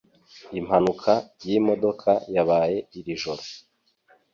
impanuka y'imodoka yabaye irijoro